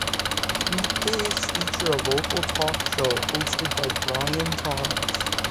Weekdays feature a local talk show hosted by Brian Thomas.